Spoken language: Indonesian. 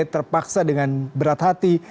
terpaksa dengan berat hati